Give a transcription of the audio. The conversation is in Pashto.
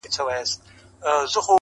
او بېوفايي ، يې سمه لکه خور وگڼه.